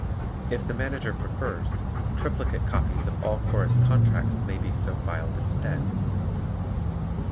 If the Manager prefers, triplicate copies of all Chorus contracts may be so filed instead.